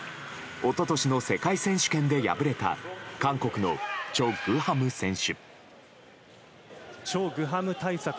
一昨年の世界選手権で敗れた韓国のチョ・グハム選手。